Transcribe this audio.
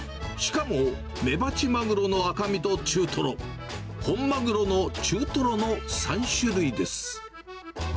しかもメバチマグロの赤身と中トロ、本マグロの中トロの３種類です。